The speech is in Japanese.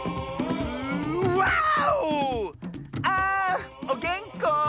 あおげんこ？